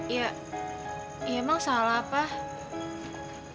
ya emang salah pak